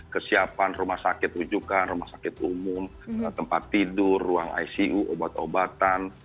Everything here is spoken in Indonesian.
kesiapan rumah sakit rujukan rumah sakit umum tempat tidur ruang icu obat obatan